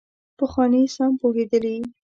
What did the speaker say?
پخواني سم پوهېدلي.